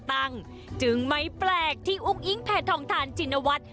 ตั้งจึงไม่แปลกที่อุ้งอิงแผนทองทานจินวัตร